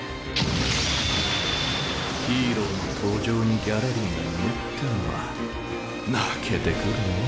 ヒーローの登場にギャラリーがいねえってのは泣けてくるねぇ。